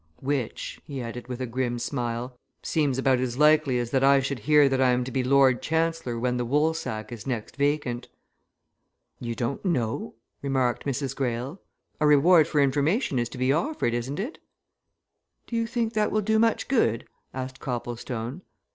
"Which," he added, with a grim smile, "seems about as likely as that I should hear that I am to be Lord Chancellor when the Woolsack is next vacant!" "You don't know," remarked Mrs. Greyle. "A reward for information is to be offered, isn't it?" "Do you think that will do much good?" asked Copplestone.